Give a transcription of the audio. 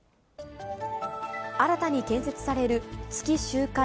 新たに建設される月周回